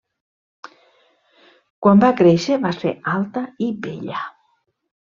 Quan va créixer va ser alta i bella.